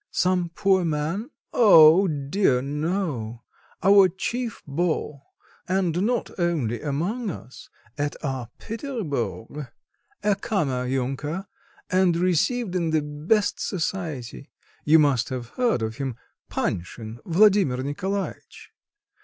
Some poor man?" "Oh dear no, our chief beau, and not only among us et à Petersbourg. A kammer junker, and received in the best society. You must have heard of him: Panshin, Vladimir Nikolaitch.